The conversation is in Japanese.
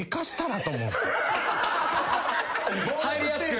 入りやすく。